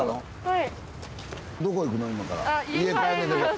はい。